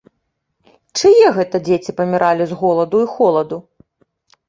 Чые гэта дзеці паміралі з голаду і холаду?